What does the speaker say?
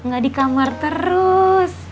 gak di kamar terus